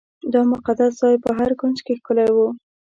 دا مقدس ځای په هر کونج کې ښکلی و.